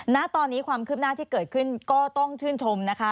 ณตอนนี้ความคืบหน้าที่เกิดขึ้นก็ต้องชื่นชมนะคะ